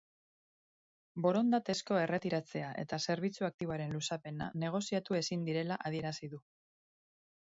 Borondatezko erretiratzea eta zerbitzu aktiboaren luzapena negoziatu ezin direla adierazi du.